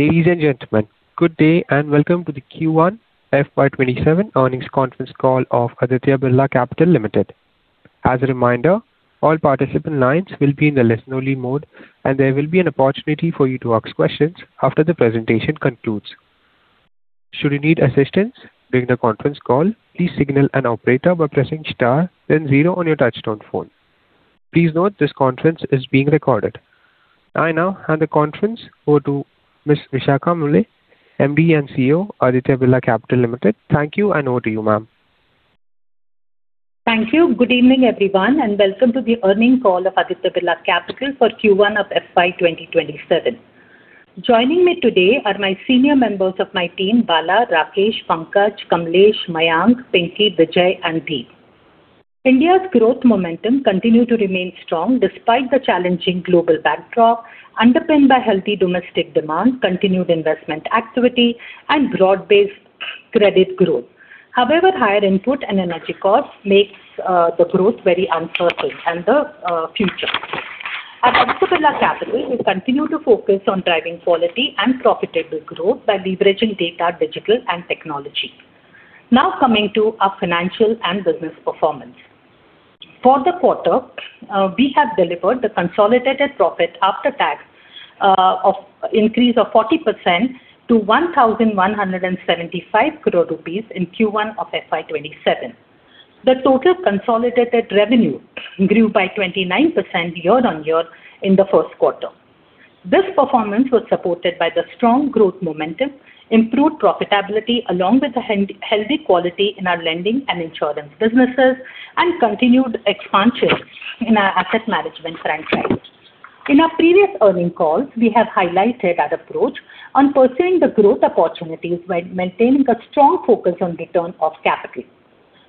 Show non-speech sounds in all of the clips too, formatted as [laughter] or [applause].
Ladies and gentlemen, good day and welcome to the Q1 FY 2027 earnings conference call of Aditya Birla Capital Limited. As a reminder, all participant lines will be in the listen only mode, and there will be an opportunity for you to ask questions after the presentation concludes. Should you need assistance during the conference call, please signal an operator by pressing star then zero on your touchtone phone. Please note this conference is being recorded. I now hand the conference over to Ms. Vishakha Mulye, MD and CEO, Aditya Birla Capital Limited. Thank you and over to you, ma'am. Thank you. Good evening, everyone, and welcome to the earning call of Aditya Birla Capital for Q1 of FY 2027. Joining me today are my senior members of my team, Bala, Rakesh, Pankaj, Kamlesh, Mayank, Pinky, Vijay and Deep. India's growth momentum continue to remain strong despite the challenging global backdrop underpinned by healthy domestic demand, continued investment activity and broad-based credit growth. However, higher input and energy costs makes the growth very uncertain and the future. At Aditya Birla Capital, we continue to focus on driving quality and profitable growth by leveraging data, digital and technology. Coming to our financial and business performance. For the quarter, we have delivered the consolidated profit after tax of increase of 40% to 1,175 crore rupees in Q1 of FY 2027. The total consolidated revenue grew by 29% year-on-year in the first quarter. This performance was supported by the strong growth momentum, improved profitability along with the healthy quality in our lending and insurance businesses, and continued expansion in our asset management franchise. In our previous earning calls, we have highlighted our approach on pursuing the growth opportunities while maintaining a strong focus on return of capital.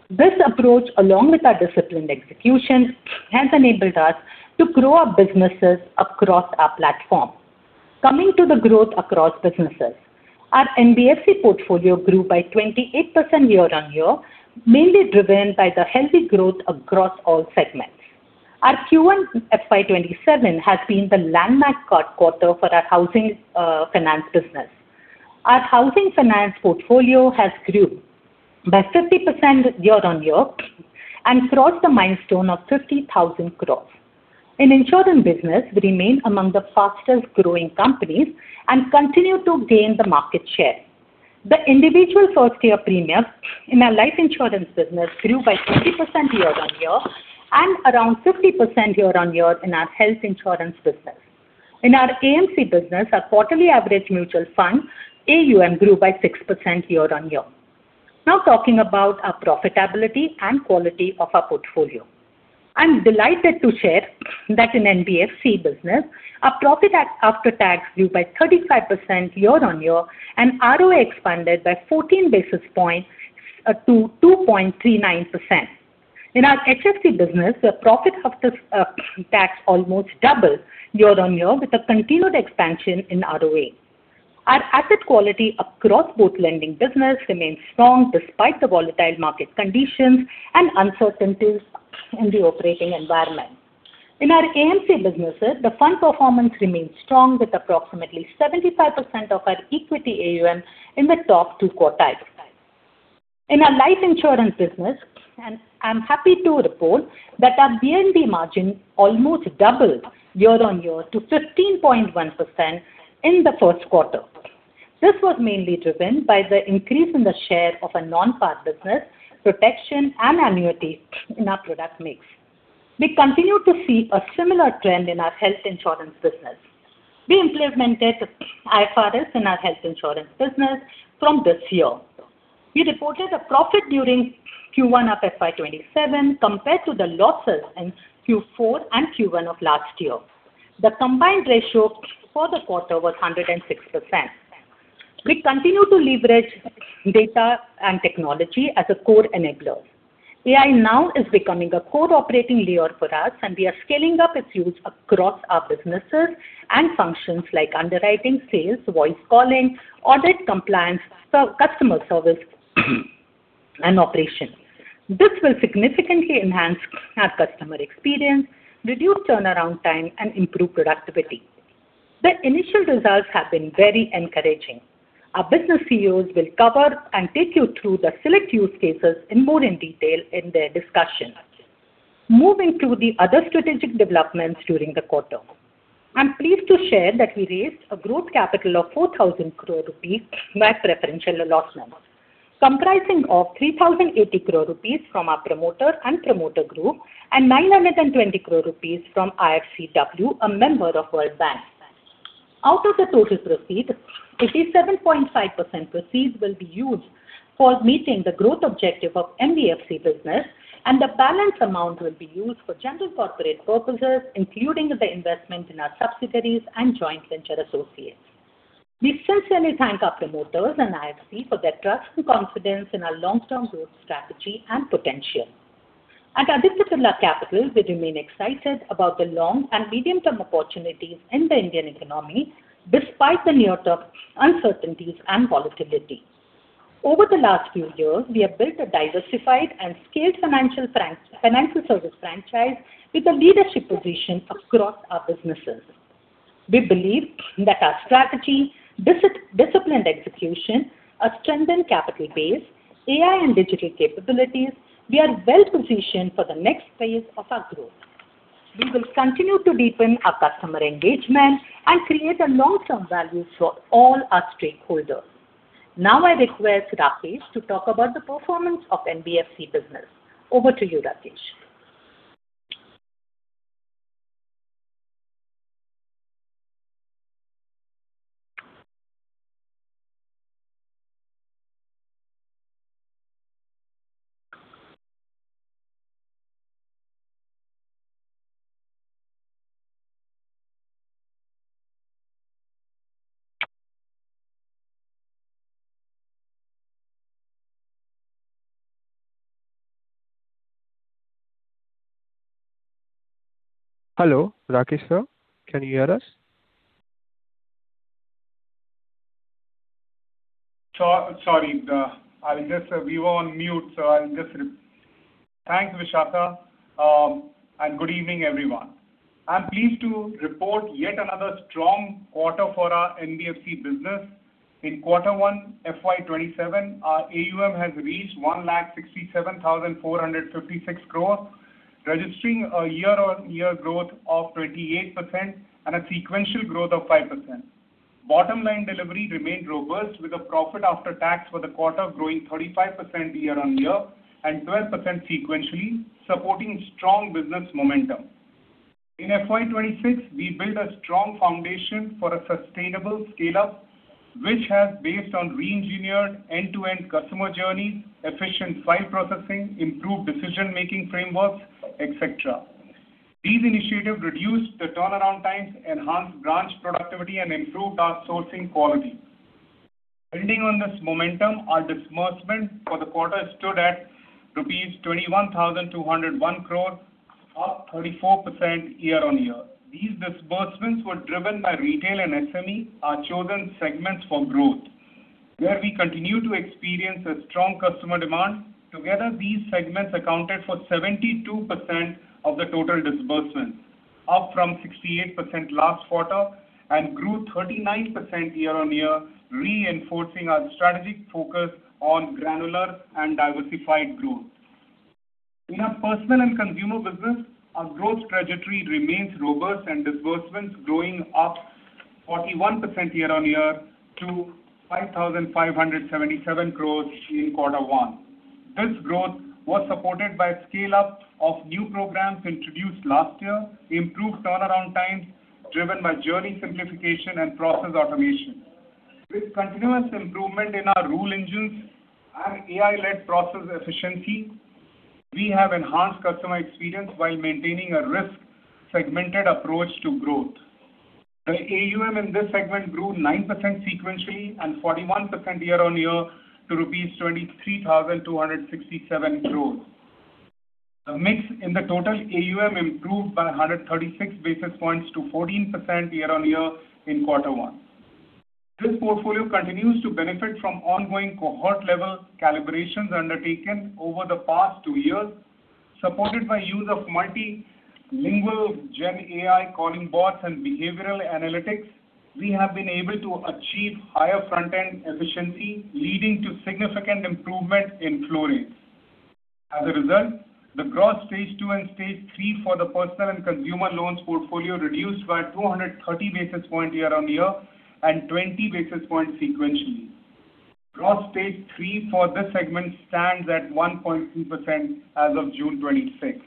This approach, along with our disciplined execution, has enabled us to grow our businesses across our platform. Coming to the growth across businesses. Our NBFC portfolio grew by 28% year-on-year, mainly driven by the healthy growth across all segments. Our Q1 FY 2027 has been the landmark quarter for our housing finance business. Our housing finance portfolio has grew by 50% year-on-year and crossed the milestone of 50,000 crore. In insurance business, we remain among the fastest growing companies and continue to gain the market share. The individual first year premium in our life insurance business grew by 20% year-on-year and around 50% year-on-year in our health insurance business. In our AMC business, our quarterly average mutual fund AUM grew by 6% year-on-year. Talking about our profitability and quality of our portfolio. I'm delighted to share that in NBFC business, our profit after tax grew by 35% year-on-year and ROE expanded by 14 basis points to 2.39%. In our HFC business, the profit after tax almost doubled year-on-year with a continued expansion in ROE. Our asset quality across both lending business remains strong despite the volatile market conditions and uncertainties in the operating environment. In our AMC businesses, the fund performance remains strong with approximately 75% of our equity AUM in the top two quartiles. In our life insurance business, I'm happy to report that our VNB margin almost doubled year-on-year to 15.1% in the first quarter. This was mainly driven by the increase in the share of a non-par business protection and annuity in our product mix. We continue to see a similar trend in our health insurance business. We implemented IFRS in our health insurance business from this year. We reported a profit during Q1 of FY 2027 compared to the losses in Q4 and Q1 of last year. The combined ratio for the quarter was 106%. We continue to leverage data and technology as a core enabler. AI now is becoming a core operating layer for us, we are scaling up its use across our businesses and functions like underwriting, sales, voice calling, audit compliance, customer service and operations. This will significantly enhance our customer experience, reduce turnaround time and improve productivity. The initial results have been very encouraging. Our business CEOs will cover and take you through the select use cases in more in detail in their discussion. Moving to the other strategic developments during the quarter. I'm pleased to share that we raised a growth capital of 4,000 crore rupees by preferential allotment, comprising of 3,080 crore rupees from our promoter and promoter group and 920 crore rupees from IFC, a member of World Bank. Out of the total receipt, 87.5% proceeds will be used for meeting the growth objective of NBFC business, the balance amount will be used for general corporate purposes, including the investment in our subsidiaries and joint venture associates. We sincerely thank our promoters and IFC for their trust and confidence in our long-term growth strategy and potential. At Aditya Birla Capital, we remain excited about the long- and medium-term opportunities in the Indian economy despite the near-term uncertainties and volatility. Over the last few years, we have built a diversified and scaled financial service franchise with a leadership position across our businesses. We believe that our strategy, disciplined execution, a strengthened capital base, AI and digital capabilities, we are well-positioned for the next phase of our growth. We will continue to deepen our customer engagement and create a long-term value for all our stakeholders. Now I request Rakesh to talk about the performance of NBFC business. Over to you, Rakesh. Hello, Rakesh, sir. Can you hear us? Sorry. We were on mute. Thanks, Vishakha, and good evening, everyone. I am pleased to report yet another strong quarter for our NBFC business. In quarter one, FY 2027, our AUM has reached 1 lakh 67,456 crore, registering a year-on-year growth of 28% and a sequential growth of 5%. Bottom-line delivery remained robust with a profit after tax for the quarter growing 35% year-on-year and 12% sequentially, supporting strong business momentum. In FY 2026, we built a strong foundation for a sustainable scale-up, which has based on re-engineered end-to-end customer journey, efficient file processing, improved decision-making frameworks, et cetera. These initiatives reduced the turnaround times, enhanced branch productivity, and improved our sourcing quality. Building on this momentum, our disbursement for the quarter stood at rupees 21,201 crore, up 34% year-on-year. These disbursements were driven by retail and SME, our chosen segments for growth, where we continue to experience a strong customer demand. Together, these segments accounted for 72% of the total disbursement, up from 68% last quarter, and grew 39% year-on-year, reinforcing our strategic focus on granular and diversified growth. In our personal and consumer business, our growth trajectory remains robust and disbursements growing up 41% year-on-year to 5,577 crore in quarter one. This growth was supported by a scale-up of new programs introduced last year, improved turnaround times driven by journey simplification and process automation. With continuous improvement in our rule engines and AI-led process efficiency, we have enhanced customer experience while maintaining a risk segmented approach to growth. The AUM in this segment grew 9% sequentially and 41% year-on-year to rupees 23,267 crore. The mix in the total AUM improved by 136 basis points to 14% year-on-year in quarter one. This portfolio continues to benefit from ongoing cohort-level calibrations undertaken over the past two years, supported by use of multilingual gen AI calling bots and behavioral analytics. We have been able to achieve higher front-end efficiency, leading to significant improvement in flow rates. As a result, the Gross Stage 2 and Stage 3 for the personal and consumer loans portfolio reduced by 230 basis points year-on-year and 20 basis points sequentially. Gross Stage 3 for this segment stands at 1.2% as of June 26th.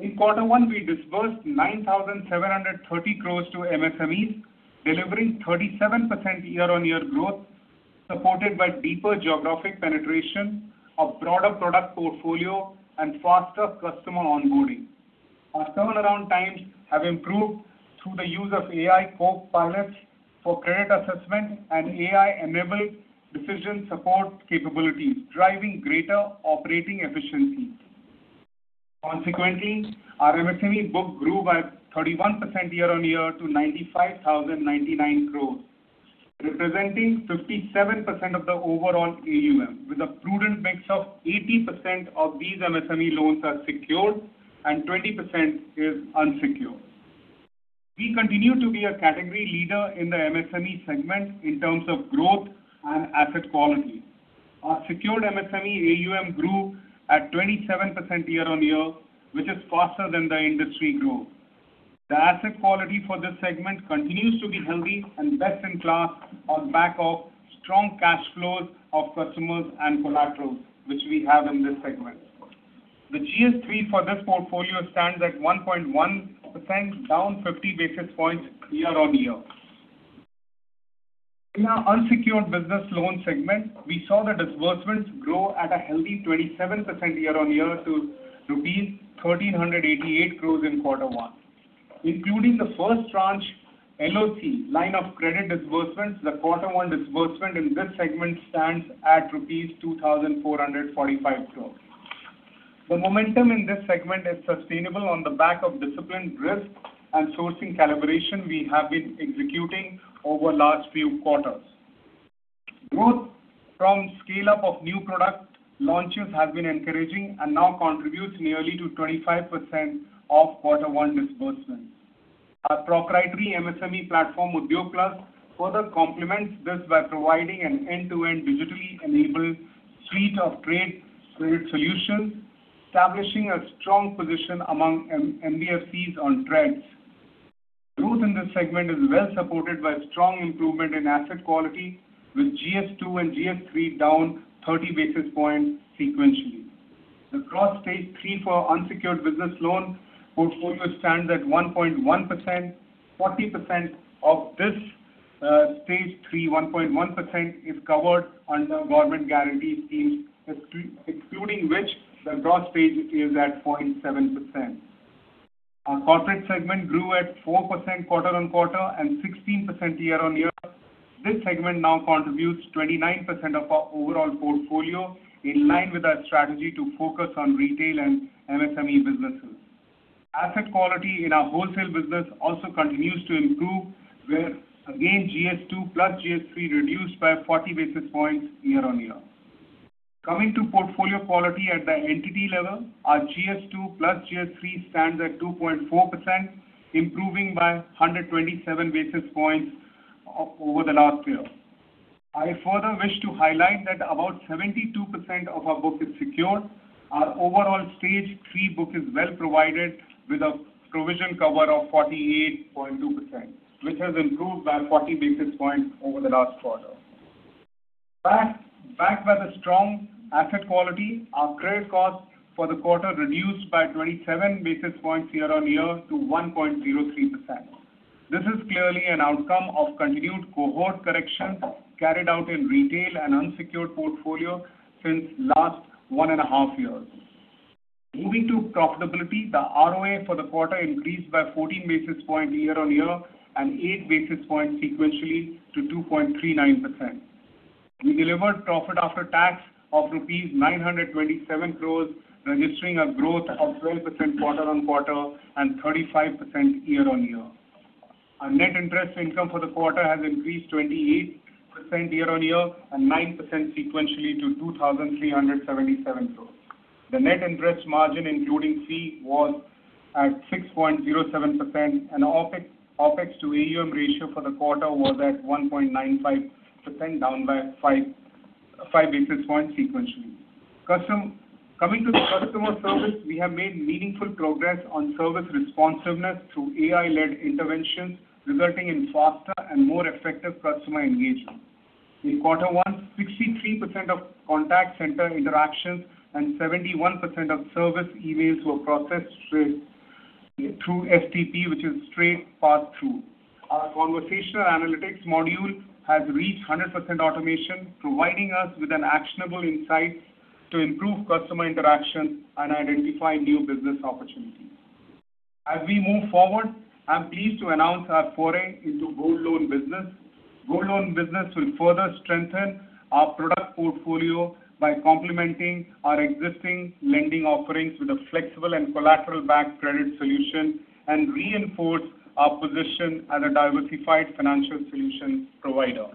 In quarter one, we disbursed 9,730 crore to MSMEs, delivering 37% year-on-year growth, supported by deeper geographic penetration of broader product portfolio and faster customer onboarding. Our turnaround times have improved through the use of AI copilot for credit assessment and AI-enabled decision support capabilities, driving greater operating efficiency. Consequently, our MSME book grew by 31% year-on-year to 95,099 crore, representing 57% of the overall AUM, with a prudent mix of 80% of these MSME loans are secured and 20% is unsecured. We continue to be a category leader in the MSME segment in terms of growth and asset quality. Our secured MSME AUM grew at 27% year-on-year, which is faster than the industry growth. The asset quality for this segment continues to be healthy and best-in-class on back of strong cash flows of customers and collaterals, which we have in this segment. The GS3 for this portfolio stands at 1.1%, down 50 basis points year-on-year. In our unsecured business loan segment, we saw the disbursements grow at a healthy 27% year-on-year to rupees 1,388 crore in quarter one. Including the first tranche LoC, line of credit disbursements, the quarter one disbursement in this segment stands at rupees 2,445 crore. The momentum in this segment is sustainable on the back of disciplined risk and sourcing calibration we have been executing over last few quarters. Growth from scale-up of new product launches has been encouraging and now contributes nearly to 25% of quarter one disbursement. Our proprietary MSME platform, Udyog Plus, further complements this by providing an end-to-end digitally enabled suite of trade credit solutions, establishing a strong position among MDFCs on TReDS. Growth in this segment is well supported by strong improvement in asset quality with GS2 and GS3 down 30 basis points sequentially. The Gross Stage 3 for unsecured business loan portfolio stands at 1.1%. 40% of this stage 3.1% is covered under government guarantee schemes, excluding which the gross stage is at 0.7%. Our corporate segment grew at 4% quarter-on-quarter and 16% year-on-year. This segment now contributes 29% of our overall portfolio in line with our strategy to focus on retail and MSME businesses. Asset quality in our wholesale business also continues to improve, where again, GS2 plus GS3 reduced by 40 basis points year-on-year. Coming to portfolio quality at the entity level, our GS2 plus GS3 stands at 2.4%, improving by 127 basis points over the last year. I further wish to highlight that about 72% of our book is secure. Our overall Stage 3 book is well provided with a provision cover of 48.2%, which has improved by 40 basis points over the last quarter. Backed by the strong asset quality, our credit cost for the quarter reduced by 27 basis points year-on-year to 1.03%. This is clearly an outcome of continued cohort correction carried out in retail and unsecured portfolio since last one and a half years. Moving to profitability, the ROA for the quarter increased by 14 basis points year-on-year and 8 basis points sequentially to 2.39%. We delivered profit after tax of rupees 927 crore, registering a growth of 12% quarter-on-quarter and 35% year-on-year. Our net interest income for the quarter has increased 28% year-on-year and 9% sequentially to 2,377 crore. The net interest margin, including fee, was at 6.07%, and OpEx to AUM ratio for the quarter was at 1.95%, down by 5 basis points sequentially. Coming to the customer service, we have made meaningful progress on service responsiveness through AI-led interventions, resulting in faster and more effective customer engagement. In quarter one, 63% of contact center interactions and 71% of service emails were processed through STP, which is Straight Through Processing. Our conversational analytics module has reached 100% automation, providing us with an actionable insight to improve customer interaction and identify new business opportunities. As we move forward, I'm pleased to announce our foray into gold loan business. Gold loan business will further strengthen our product portfolio by complementing our existing lending offerings with a flexible and collateral-backed credit solution and reinforce our position as a diversified financial solution provider.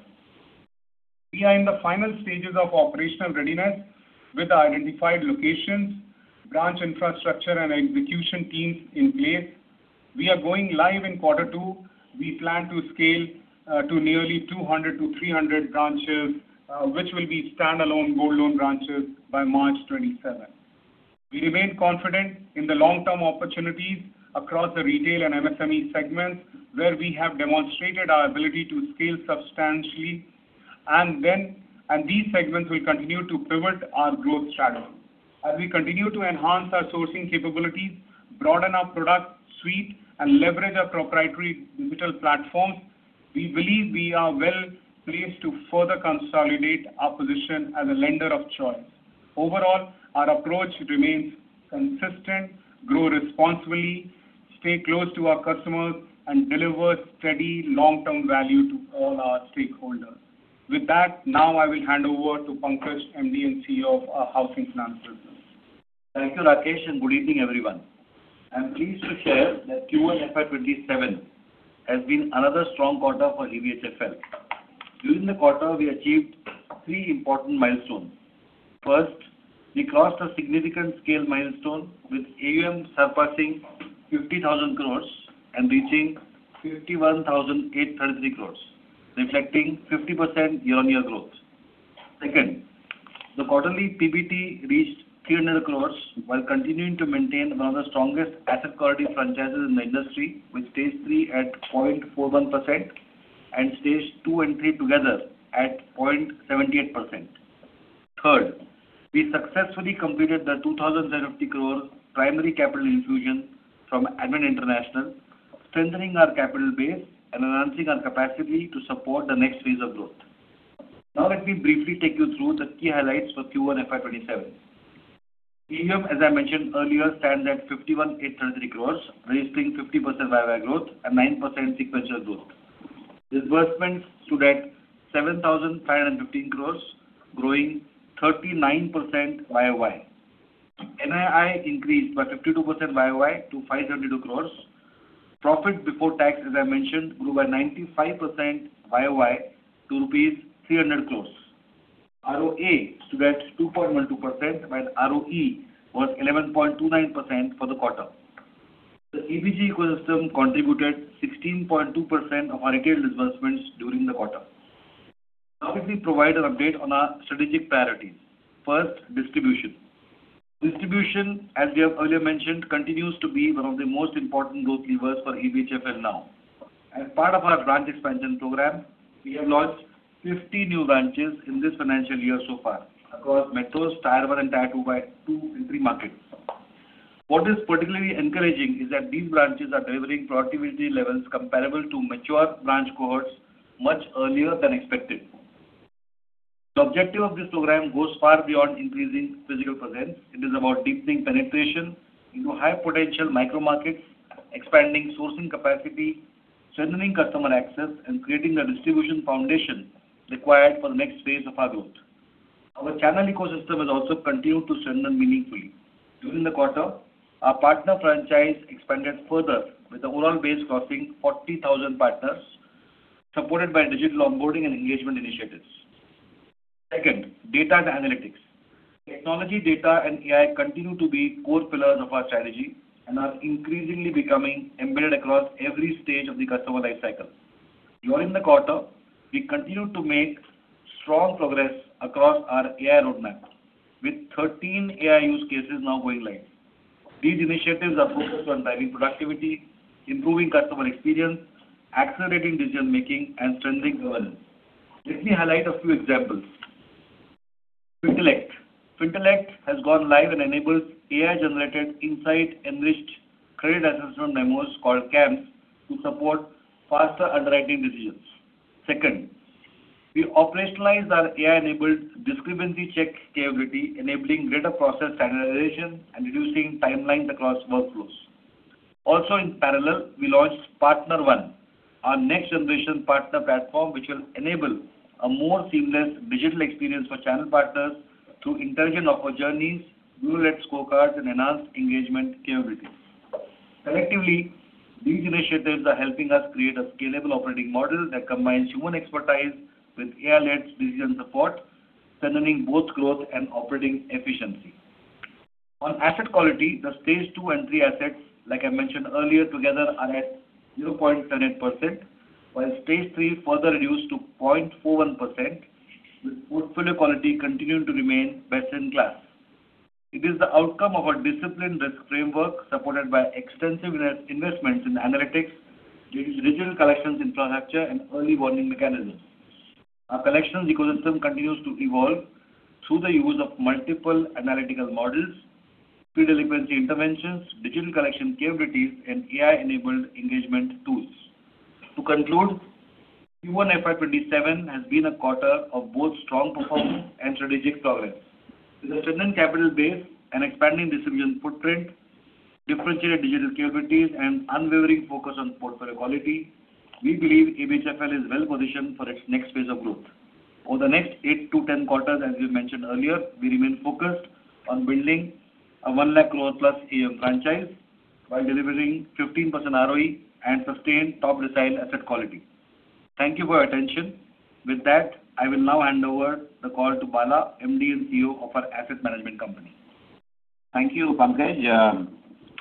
We are in the final stages of operational readiness with our identified locations, branch infrastructure, and execution teams in place. We are going live in quarter two. We plan to scale to nearly 200-300 branches, which will be standalone gold loan branches by March 2027. We remain confident in the long-term opportunities across the retail and MSME segments where we have demonstrated our ability to scale substantially and these segments will continue to pivot our growth strategy. As we continue to enhance our sourcing capabilities, broaden our product suite, and leverage our proprietary digital platforms, we believe we are well placed to further consolidate our position as a lender of choice. Overall, our approach remains consistent, grow responsibly, stay close to our customers, and deliver steady long-term value to all our stakeholders. With that, I will hand over to Pankaj, MD and CEO of our Housing Finance business. Thank you, Rakesh, and good evening, everyone. I am pleased to share that Q1 FY 2027 has been another strong quarter for ABHFL. During the quarter, we achieved three important milestones. First, we crossed a significant scale milestone with AUM surpassing 50,000 crore and reaching 51,833 crore, reflecting 50% year-over-year growth. Second, the quarterly PBT reached 300 crore while continuing to maintain one of the strongest asset quality franchises in the industry, with Stage 3 at 0.41% and Stage 2 and 3 together at 0.78%. Third, we successfully completed the 2,050 crore primary capital infusion from Advent International, strengthening our capital base and enhancing our capacity to support the next phase of growth. Let me briefly take you through the key highlights for Q1 FY 2027. AUM, as I mentioned earlier, stands at 51,833 crore, registering 50% year-over-year growth and 9% sequential growth. Disbursements stood at 7,515 crore, growing 39% Y-o-Y. NII increased by 52% Y-o-Y to 532 crore. Profit before tax, as I mentioned, grew by 95% Y-o-Y to INR 300 crore. ROA stood at 2.12%, while ROE was 11.29% for the quarter. The ABG ecosystem contributed 16.2% of our retail disbursements during the quarter. We provide an update on our strategic priorities. First, distribution. Distribution, as we have earlier mentioned, continues to be one of the most important growth levers for ABHFL now. As part of our branch expansion program, we have launched 50 new branches in this financial year so far across metros, Tier 1, and Tier 2 and 3 markets. What is particularly encouraging is that these branches are delivering productivity levels comparable to mature branch cohorts much earlier than expected. The objective of this program goes far beyond increasing physical presence. It is about deepening penetration into high potential micro markets, expanding sourcing capacity, strengthening customer access, and creating the distribution foundation required for the next phase of our growth. Our channel ecosystem has also continued to strengthen meaningfully. During the quarter, our partner franchise expanded further with the overall base crossing 40,000 partners supported by digital onboarding and engagement initiatives. Second, Data and Analytics. Technology, data, and AI continue to be core pillars of our strategy and are increasingly becoming embedded across every stage of the customer life cycle. During the quarter, we continued to make strong progress across our AI roadmap, with 13 AI use cases now going live. These initiatives are focused on driving productivity, improving customer experience, accelerating decision making, and strengthening governance. Let me highlight a few examples. Fintellect. Fintellect has gone live and enables AI-generated insight-enriched credit assessment memos called CAMs to support faster underwriting decisions. Second, we operationalized our AI-enabled discrepancy check capability enabling greater process standardization and reducing timelines across workflows. In parallel, we launched Partner-ONE, our next generation partner platform, which will enable a more seamless digital experience for channel partners through intelligent offer journeys, rule-led scorecards, and enhanced engagement capabilities. Collectively, these initiatives are helping us create a scalable operating model that combines human expertise with AI-led decision support, strengthening both growth and operating efficiency. On asset quality, the Stage 2 and 3 assets, like I mentioned earlier, together are at 0.78%, while Stage 3 further reduced to 0.41%, with portfolio quality continuing to remain best-in-class. It is the outcome of our disciplined risk framework supported by extensive investments in analytics, digital collections infrastructure, and early warning mechanisms. Our collections ecosystem continues to evolve through the use of multiple analytical models, pre-delinquency interventions, digital collection capabilities, and AI-enabled engagement tools. To conclude, Q1 FY 2027 has been a quarter of both strong performance and strategic progress. With a strengthened capital base, an expanding distribution footprint, differentiated digital capabilities, and unwavering focus on portfolio quality, we believe ABHFL is well positioned for its next phase of growth. Over the next 8 to 10 quarters, as we mentioned earlier, we remain focused on building a 1 lakh crore plus AUM franchise while delivering 15% ROE and sustained top decile asset quality. Thank you for your attention. With that, I will now hand over the call to Bala, MD and CEO of our Asset Management Company. Thank you, Pankaj.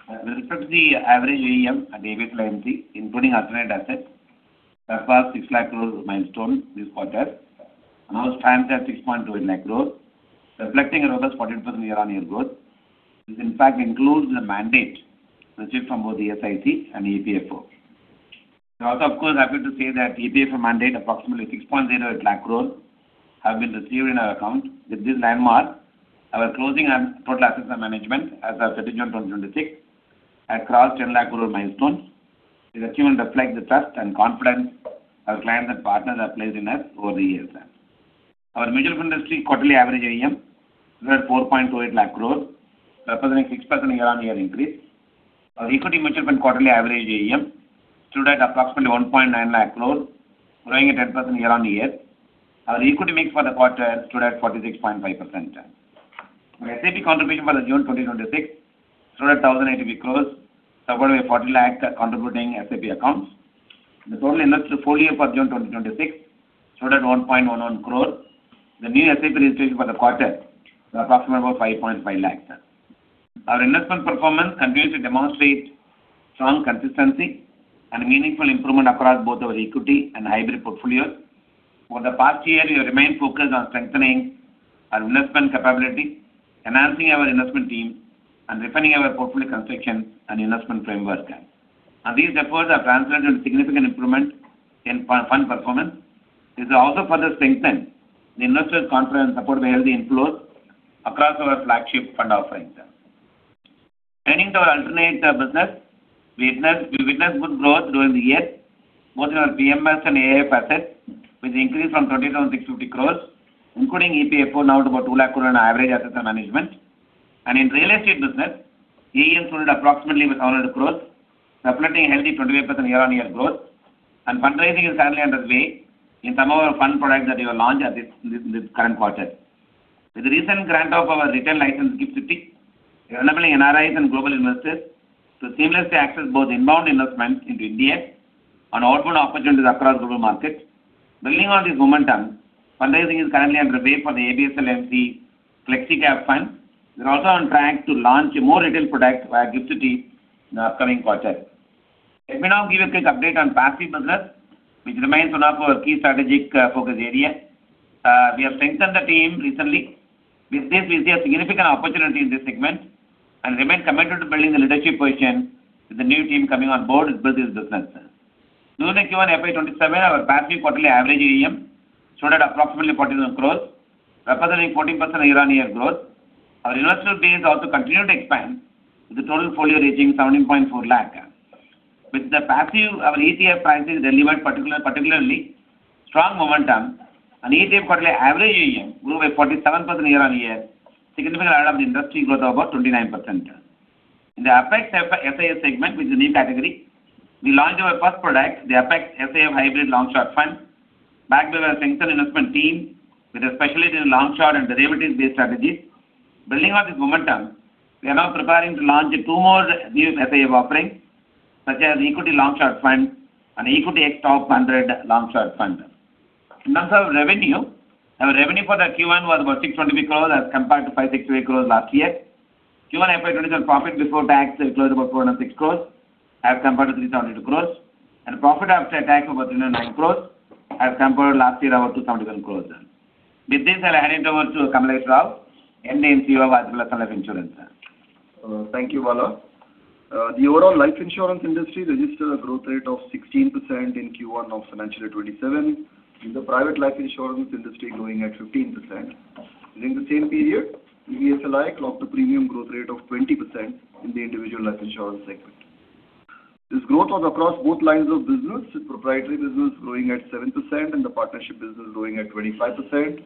With respect to the average AUM at ABSL AMC, including alternate assets, we crossed 6 lakh crore milestone this quarter and our AUM stands at 6.28 lakh crores, reflecting a robust 48% year-on-year growth. This in fact includes the mandate received from both the SIC and the EPFO. We are also, of course, happy to say that the EPFO mandate approximately 6.08 lakh crore have been received in our account. With this landmark, our closing total assets under management as of 30 June 2026 had crossed 10 lakh crore milestone. This achievement reflects the trust and confidence our clients and partners have placed in us over the years. Our mutual fund industry quarterly average AUM stood at 4.82 lakh crore, representing 6% year-on-year increase. Our equity mutual fund quarterly average AUM stood at approximately 1.9 lakh crore, growing at 10% year-on-year. Our equity mix for the quarter stood at 46.5%. Our SIP contribution for June 2026 stood at 1,080 crore, supported by 40 lakh contributing SIP accounts. The total industry folio for June 2026 stood at 1.11 crore. The new SIP registrations for the quarter were approximately 5.5 lakh. These efforts have translated into significant improvement in fund performance. This has also further strengthened the investors' confidence supported by healthy inflows across our flagship fund offerings. Turning to our alternate business, we witnessed good growth during the year, both in our PMS and AIF assets, which increased from 2,750 crore, including EPFO, now to about 2 lakh crore on average assets under management. In real estate business, AUM stood approximately with 100 crore, reflecting a healthy 20% year-on-year growth. Fundraising is currently underway in some of our fund products that we will launch at this current quarter. With the recent grant of our retail license, GIFT City, we are enabling NRIs and global investors to seamlessly access both inbound investments into India and outbound opportunities across global markets. Building on this momentum, fundraising is currently underway for the ABSL AMC Flexi Cap Fund. We are also on track to launch a more retail product via GIFT City in the upcoming quarter. Let me now give a quick update on passive business, which remains one of our key strategic focus area. We have strengthened the team recently. With this, we see a significant opportunity in this segment and remain committed to building a leadership position with the new team coming on board to build this business. During the Q1 FY 2027, our passive quarterly average AUM stood at approximately INR 47 crore, representing 14% year-on-year growth. Our investor base also continued to expand, with the total folio reaching 17.4 lakh. With the passive, our ETF products delivered particularly strong momentum and ETF quarterly average AUM grew by 47% year-on-year, significantly ahead of the industry growth of about 29%. In the FX FIA segment, which is a new category, we launched our first product, the FX FIA Hybrid Long Short Fund, backed by our strengthened investment team with a specialty in long short and derivatives-based strategies. Building on this momentum, we are now preparing to launch two more new FIA offerings, such as Equity Long Short Fund and Equity Next Top 100 Long Short Fund. In terms of revenue, our revenue for the Q1 was about 620 crore as compared to 560 crore last year. Q1 FY 2027 profit before tax is close about 406 crore as compared to 372 crore. Profit after tax is about 309 crore as compared to last year about 277 crore. With this, I will hand it over to Kamlesh Rao, MD and CEO of Aditya Birla Sun Life Insurance. Thank you, Bala. The overall life insurance industry registered a growth rate of 16% in Q1 of financial year 2027, with the private life insurance industry growing at 15%. During the same period, ABSLI clocked a premium growth rate of 20% in the individual life insurance segment. This growth was across both lines of business, with proprietary business growing at 7% and the partnership business growing at 25%.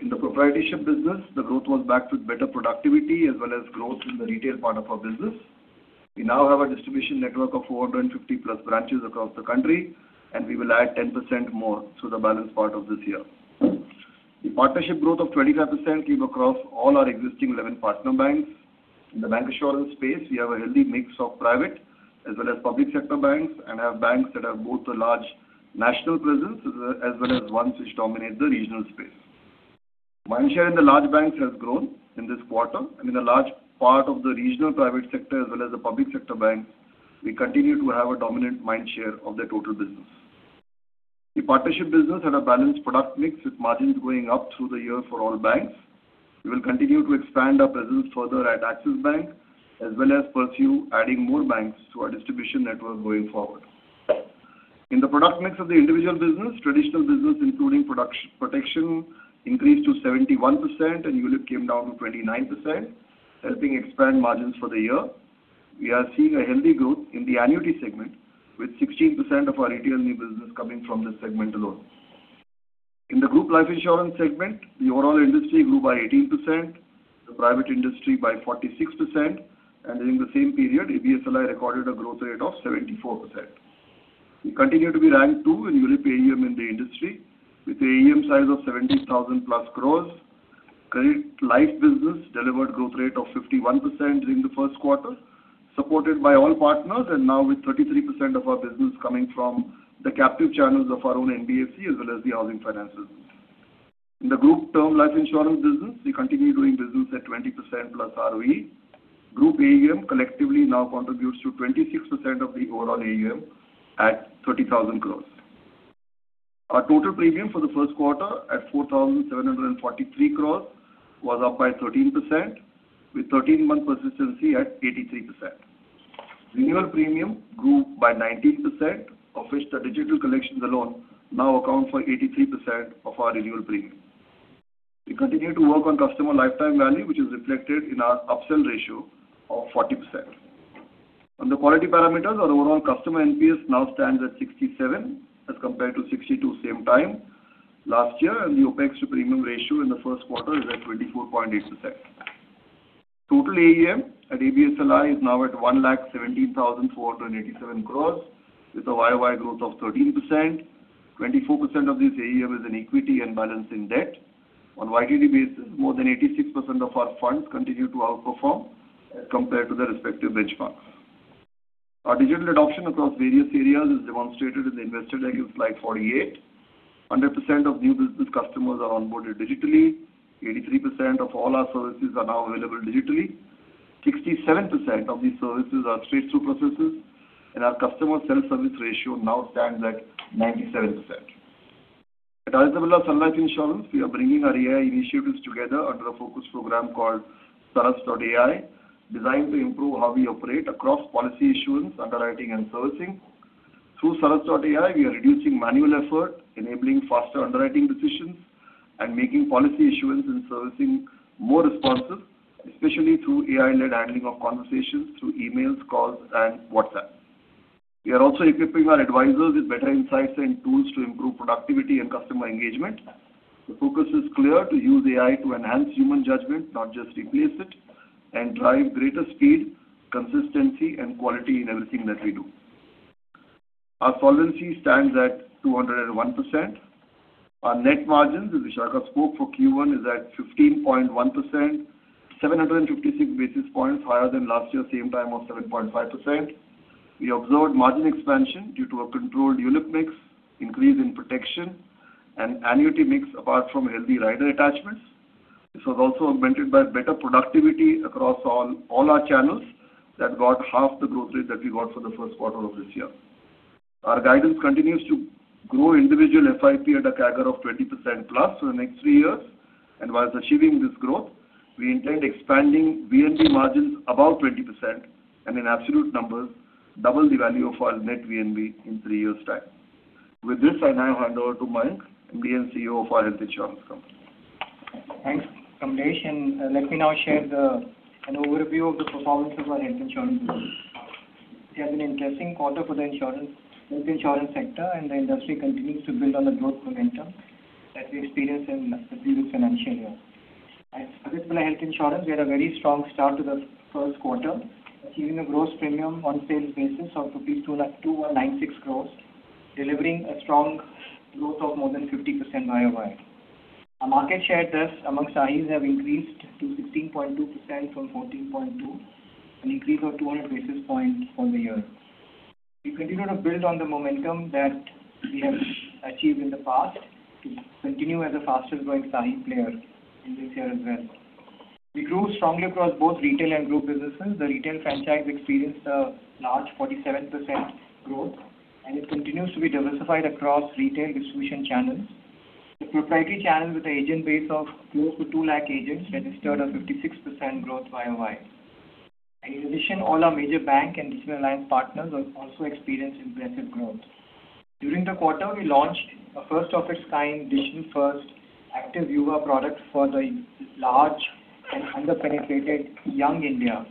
In the proprietorship business, the growth was backed with better productivity as well as growth in the retail part of our business. We now have a distribution network of 450 plus branches across the country, and we will add 10% more through the balance part of this year. The partnership growth of 25% came across all our existing 11 partner banks. In the bancassurance space, we have a healthy mix of private as well as public sector banks, and have banks that have both a large national presence as well as ones which dominate the regional space. Mindshare in the large banks has grown in this quarter, and in a large part of the regional private sector as well as the public sector banks, we continue to have a dominant mind share of their total business. The partnership business had a balanced product mix, with margins going up through the year for all banks. We will continue to expand our presence further at Axis Bank, as well as pursue adding more banks to our distribution network going forward. In the product mix of the individual business, traditional business including protection increased to 71%, and ULIP came down to 29%, helping expand margins for the year. We are seeing a healthy growth in the annuity segment, with 16% of our retail new business coming from this segment alone. In the group life insurance segment, the overall industry grew by 18%, the private industry by 46%, and during the same period, ABSLI recorded a growth rate of 74%. We continue to be ranked two in ULIP AUM in the industry with an AUM size of 70,000+ crore. Current life business delivered growth rate of 51% during the first quarter, supported by all partners and now with 33% of our business coming from the captive channels of our own NBFC as well as the housing finance business. In the group term life insurance business, we continue doing business at 20%+ ROE. Group AUM collectively now contributes to 26% of the overall AUM at 30,000 crore. Our total premium for the first quarter at 4,743 crore was up by 13%, with 13-month persistency at 83%. Renewal premium grew by 19%, of which the digital collections alone now account for 83% of our renewal premium. We continue to work on customer lifetime value, which is reflected in our upsell ratio of 40%. On the quality parameters, our overall customer NPS now stands at 67 as compared to 62 same time last year, and the OpEx to premium ratio in the first quarter is at 24.8%. Total AUM at ABSLI is now at 117,487 crore with a Y-o-Y growth of 13%. 24% of this AUM is in equity and balance in debt. On YTD basis, more than 86% of our funds continue to outperform as compared to their respective benchmarks. Our digital adoption across various areas is demonstrated in the investor deck in slide 48. 100% of new business customers are onboarded digitally. 83% of all our services are now available digitally. 67% of these services are straight-through processes, and our customer self-service ratio now stands at 97%. At Aditya Birla Sun Life Insurance, we are bringing our AI initiatives together under a focus program called SARAL AI, designed to improve how we operate across policy issuance, underwriting, and servicing. Through SARAL AI, we are reducing manual effort, enabling faster underwriting decisions, and making policy issuance and servicing more responsive, especially through AI-led handling of conversations through emails, calls, and WhatsApp. We are also equipping our advisors with better insights and tools to improve productivity and customer engagement. The focus is clear: to use AI to enhance human judgment, not just replace it, and drive greater speed, consistency and quality in everything that we do. Our solvency stands at 201%. Our net margins, as Vishakha spoke for Q1, is at 15.1%, 756 basis points higher than last year, same time of 7.5%. We observed margin expansion due to a controlled ULIP mix, increase in protection and annuity mix apart from healthy rider attachments. This was also augmented by better productivity across all our channels that got half the growth rate that we got for the first quarter of this year. Our guidance continues to grow individual FIP at a CAGR of 20%+ for the next three years. Whilst achieving this growth, we intend expanding VNB margins above 20% and in absolute numbers, double the value of our net VNB in three years' time. With this, I now hand over to Mayank, MD & CEO of our Health Insurance company. Thanks, Kamlesh, let me now share an overview of the performance of our health insurance business. We have an interesting quarter for the health insurance sector, the industry continues to build on the growth momentum that we experienced in the previous financial year. At Aditya Birla Health Insurance, we had a very strong start to the first quarter, achieving a gross premium on a sales basis of 296 crore, delivering a strong growth of more than 50% year-over-year. Our market share thus amongst SAHIs have increased to 16.2% from 14.2%, an increase of 200 basis points from the year. We continue to build on the momentum that we have achieved in the past to continue as the fastest growing SAHI player in this year as well. The retail franchise experienced a large 47% growth, it continues to be diversified across retail distribution channels. The proprietary channels with the agent base of close to 2 lakh agents registered a 56% growth Y-o-Y. In addition, all our major bank and digital alliance partners also experienced impressive growth. During the quarter, we launched a first of its kind industry first Activ Yuva product for the large and under-penetrated young India.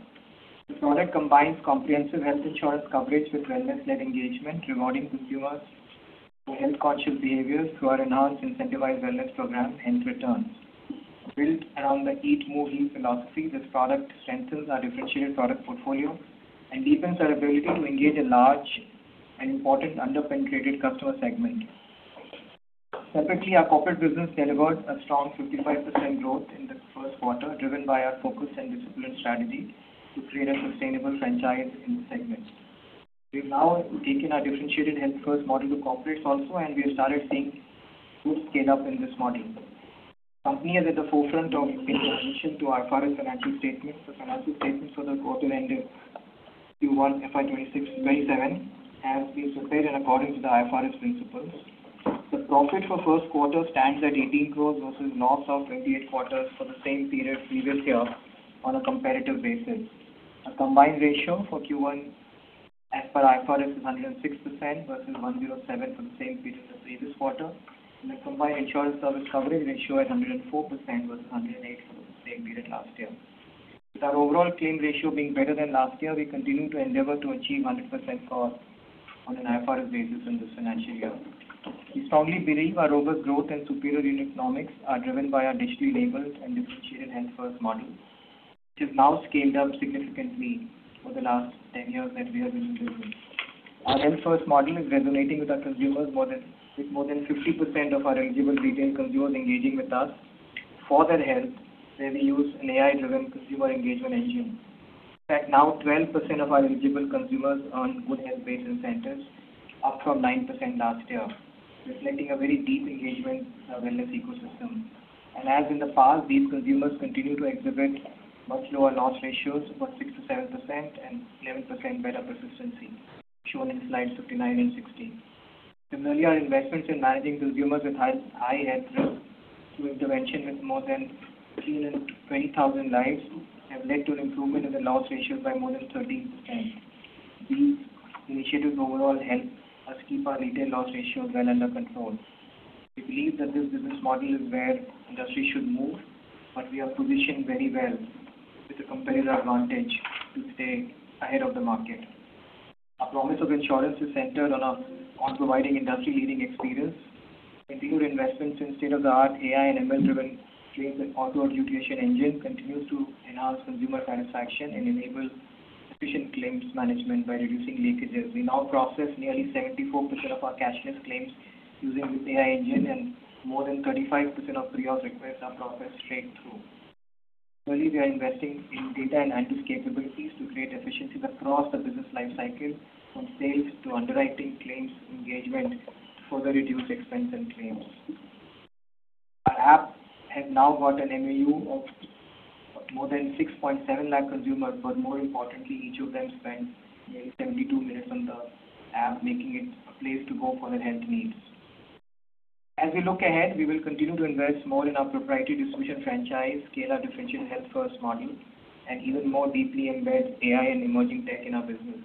The product combines comprehensive health insurance coverage with wellness-led engagement, rewarding consumers for health-conscious behaviors through our enhanced incentivized wellness program and returns. Built around the Eat, Move, Live philosophy, this product strengthens our differentiated product portfolio and deepens our ability to engage a large and important under-penetrated customer segment. Separately, our corporate business delivered a strong 55% growth in the first quarter, driven by our focus and disciplined strategy to create a sustainable franchise in the segment. We've now taken our differentiated Health First model to corporates also, we have started seeing good scale-up in this model. Company is at the forefront of making transition to IFRS financial statements. The financial statements for the quarter ending Q1 FY 2026 [inaudible] have been prepared in accordance with the IFRS principles. The profit for first quarter stands at 18 crore growth versus loss of 28 crore for the same period previous year, on a comparative basis. A combined ratio for Q1 as per IFRS is 106% versus 107% for the same period the previous quarter, a combined insurance service coverage ratio at 104% versus 108% for the same period last year. With our overall claim ratio being better than last year, we continue to endeavor to achieve 100% cover on an IFRS basis in this financial year. We strongly believe our robust growth and superior unit economics are driven by our digital-enabled and differentiated Health First model, which has now scaled up significantly over the last 10 years that we have been in business. Our Health First model is resonating with our consumers with more than 50% of our eligible retail consumers engaging with us for their health where we use an AI-driven consumer engagement engine. In fact, now 12% of our eligible consumers are on good health-based incentives, up from 9% last year, reflecting a very deep engagement wellness ecosystem. As in the past, these consumers continue to exhibit much lower loss ratios, about 6%-7% and 11% better persistency, shown in slide 59 and 60. Similarly, our investments in managing consumers with high health risk through intervention with more than 320,000 lives have led to an improvement in the loss ratio by more than 30%. These initiatives overall help us keep our retail loss ratio well under control. We believe that this business model is where industry should move. We are positioned very well with a competitive advantage to stay ahead of the market. Our promise of insurance is centered on providing industry-leading experience. Continued investments in state-of-the-art AI and ML-driven claims and auto adjudication engine continues to enhance consumer satisfaction and enable efficient claims management by reducing leakages. We now process nearly 74% of our cashless claims using this AI engine and more than 35% of pre-op requests are processed straight through. Currently, we are investing in data and analytics capabilities to create efficiencies across the business life cycle from sales to underwriting claims engagement to further reduce expense and claims. Our app has now got an MAU of more than 6.7 lakh consumers. More importantly, each of them spend nearly 72 minutes on the app, making it a place to go for their health needs. As we look ahead, we will continue to invest more in our proprietary distribution franchise, scale our differential Health First model, and even more deeply embed AI and emerging tech in our business.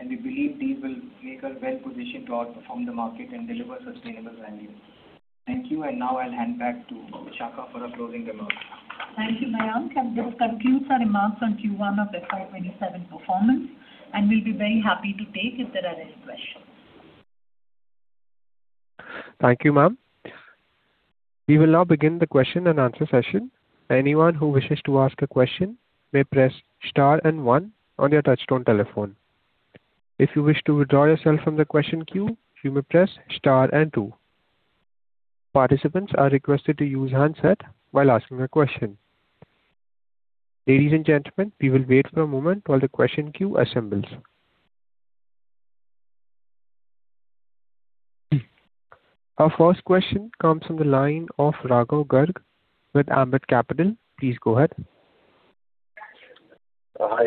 We believe these will make us well-positioned to outperform the market and deliver sustainable value. Thank you. Now I'll hand back to Vishakha for our closing remarks. Thank you, Mayank. That concludes our remarks on Q1 of the 2027 performance. We'll be very happy to take if there are any questions. Thank you, ma'am. We will now begin the question-and-answer session. Anyone who wishes to ask a question may press star and one on your touch-tone telephone. If you wish to withdraw yourself from the question queue, you may press star and two. Participants are requested to use handset while asking a question. Ladies and gentlemen, we will wait for a moment while the question queue assembles. Our first question comes from the line of Raghav Garg with Ambit Capital. Please go ahead. Hi.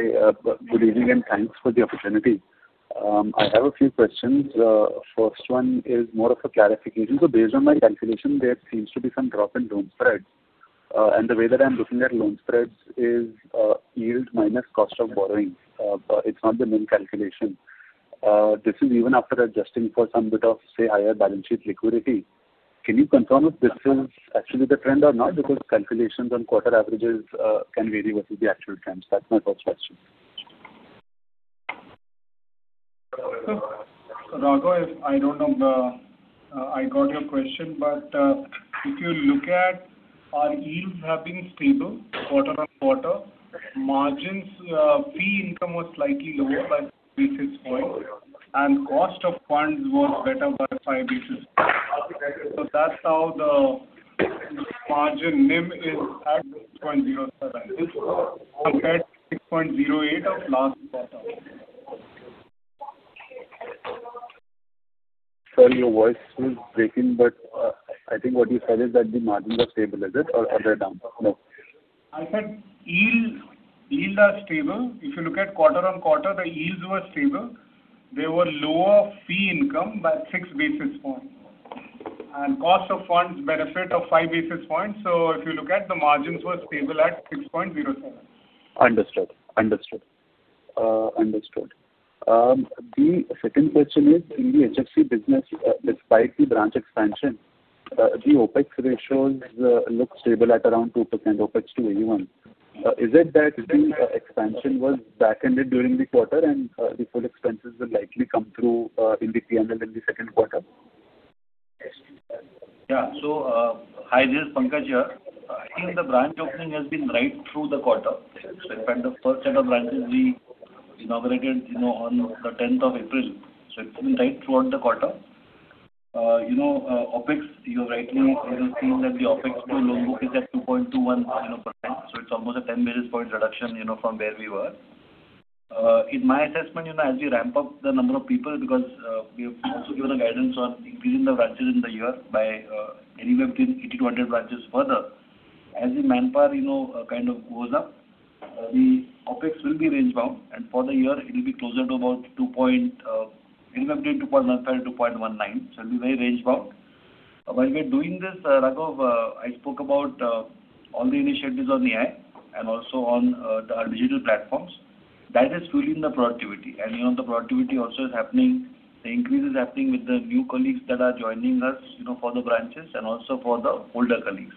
Good evening, and thanks for the opportunity. I have a few questions. First one is more of a clarification. Based on my calculation, there seems to be some drop in loan spreads. The way that I'm looking at loan spreads is yield minus cost of borrowing. It's not the NIM calculation. This is even after adjusting for some bit of, say, higher balance sheet liquidity. Can you confirm if this is actually the trend or not? Because calculations on quarter averages can vary versus the actual trends. That's my first question. Raghav, I don't know I got your question, if you look at our yields have been stable quarter-on-quarter. Margins, fee income was slightly lower by three basis points, and cost of funds was better by 5 basis points. That's how the margin NIM is at 6.07%, compared to 6.08% of last quarter. Sorry, your voice is breaking, but I think what you said is that the margins are stable. Is it? Or are they down? No. I said yields are stable. If you look at quarter-on-quarter, the yields were stable. They were lower fee income by 6 basis points and cost of funds benefit of 5 basis points. If you look at the margins were stable at 6.07%. Understood. The second question is, in the HFC business, despite the branch expansion, the OpEx ratios look stable at around 2% OpEx-to-AUM. Is it that the expansion was back ended during the quarter and the full expenses will likely come through in the P&L in the second quarter? Yeah. Hi, this is Pankaj here. I think the branch opening has been right through the quarter. In fact, the first set of branches we inaugurated on the 10th of April, it's been right throughout the quarter. OpEx, you're rightly seeing that the OpEx to loan book is at 2.21%. It's almost a 10 basis point reduction from where we were. In my assessment, as we ramp-up the number of people, because we have also given a guidance on increasing the branches in the year by anywhere between 80 to 100 branches further. As the manpower goes up, the OpEx will be range bound, and for the year it will be closer to anywhere between 2.15%-2.19%. It'll be very range bound. While we're doing this, Raghav, I spoke about all the initiatives on the AI and also on our digital platforms. That is fueling the productivity. The productivity also is happening, the increase is happening with the new colleagues that are joining us for the branches and also for the older colleagues.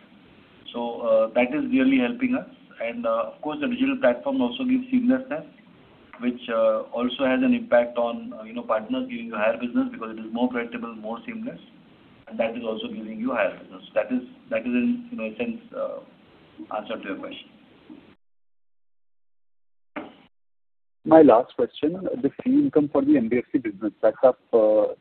That is really helping us. Of course, the digital platform also gives seamlessness, which also has an impact on partners giving you higher business because it is more predictable, more seamless, and that is also giving you higher business. That is in a sense answer to your question. My last question, the fee income for the NBFC business, that's up 50%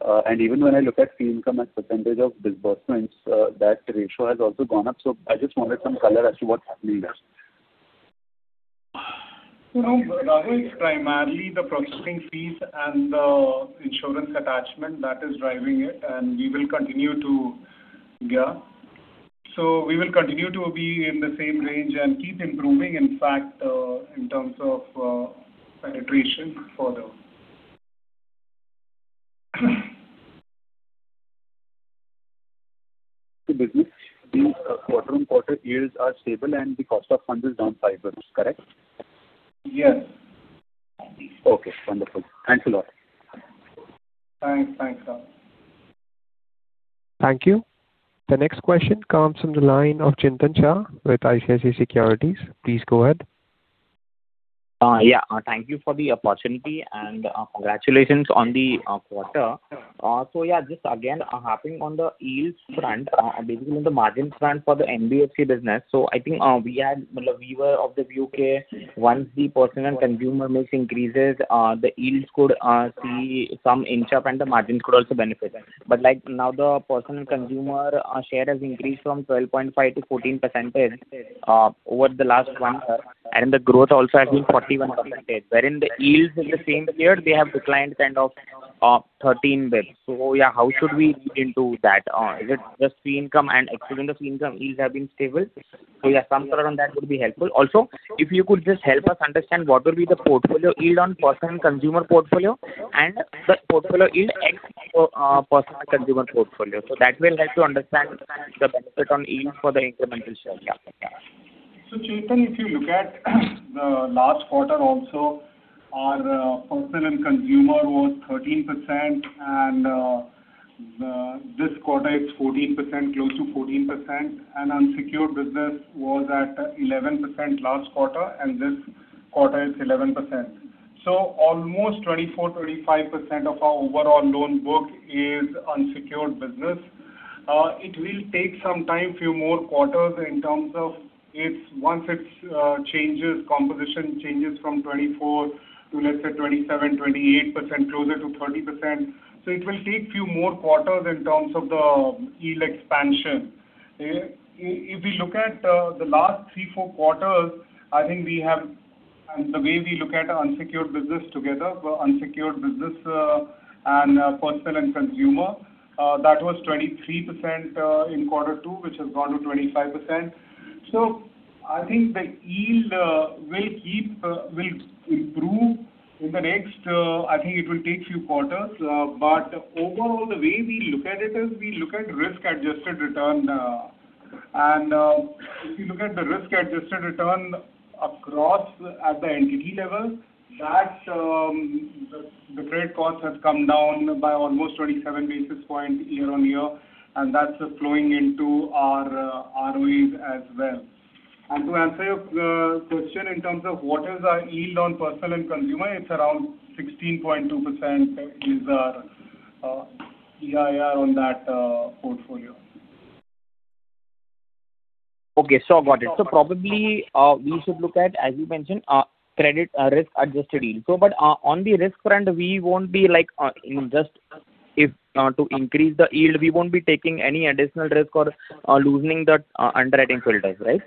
Y-o-Y. Even when I look at fee income as percent of disbursements, that ratio has also gone up. I just wanted some color as to what's happening there. Raghav, it's primarily the processing fees and the insurance attachment that is driving it. We will continue to be in the same range and keep improving, in fact, in terms of penetration further. The business, the quarter-on-quarter yields are stable and the cost of funds is down 5 basis points, correct? Yes. Okay, wonderful. Thanks a lot. Thanks. Thank you. The next question comes from the line of Chintan Shah with ICICI Securities. Please go ahead. Thank you for the opportunity and congratulations on the quarter. Yeah, just again, harping on the yields front and basically on the margin front for the NBFC business. I think we were of the view once the personal consumer mix increases, the yields could see some inch up and the margins could also benefit. Like now, the personal consumer share has increased from 12.5% to 14% over the last one year. The growth also has been 41%, wherein the yields in the same period, they have declined kind of 13 basis points. Yeah, how should we read into that? Is it just fee income and excluding the fee income, yields have been stable. Yeah, some color on that would be helpful. Also, if you could just help us understand what will be the portfolio yield on personal consumer portfolio and the portfolio yield ex personal consumer portfolio. That will help to understand the benefit on yields for the incremental share. Yeah. Chintan, if you look at the last quarter also, our personal consumer was 13%, and this quarter it's close to 14%, and unsecured business was at 11% last quarter, and this quarter it's 11%. Almost 24%-25% of our overall loan book is unsecured business. It will take some time, few more quarters. Once it changes, composition changes from 24% to, let's say, 27%-28%, closer to 30%. It will take few more quarters in terms of the yield expansion. If we look at the last three, four quarters, and the way we look at unsecured business together, unsecured business and personal and consumer, that was 23% in quarter two, which has gone to 25%. I think the yield will improve in the next, I think it will take few quarters. Overall, the way we look at it is we look at risk-adjusted return. If you look at the risk-adjusted return across at the entity level, the credit cost has come down by almost 27 basis points year-on-year, and that's flowing into our ROEs as well. To answer your question in terms of what is our yield on personal and consumer, it's around 16.2% is our EIR on that portfolio. Okay. Got it. Probably, we should look at, as you mentioned, credit risk-adjusted yield. On the risk front, we won't be to increase the yield, we won't be taking any additional risk or loosening the underwriting filters, right?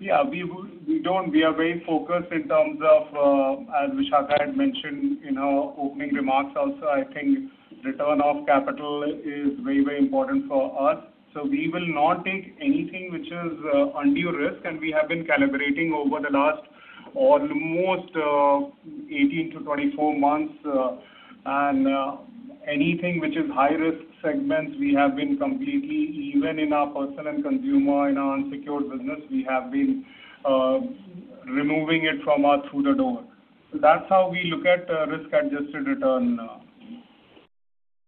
Yeah. We are very focused in terms of, as Vishakha had mentioned in her opening remarks also, I think return of capital is very important for us. We will not take anything which is undue risk, and we have been calibrating over the last almost 18-24 months. Anything which is high-risk segments, even in our personal consumer, in our unsecured business, we have been removing it from our through the door. That's how we look at risk-adjusted return.